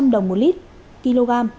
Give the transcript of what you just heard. ba trăm linh đồng một lít kg